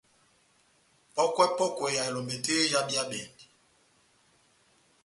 Pɔ́kwɛ-pɔ́kwɛ ya elɔmbɛ tɛ́h yé ehábíyabɛndi.